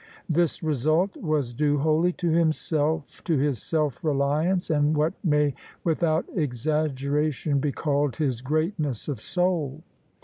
This result was due wholly to himself, to his self reliance, and what may without exaggeration be called his greatness of soul.